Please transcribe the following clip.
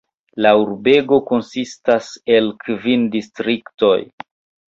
La urbego konsistas el kvin distriktoj.